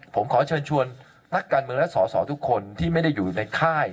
ผมขอเชิญชวนนักการเมืองและสอสอทุกคนที่ไม่ได้อยู่ในค่าย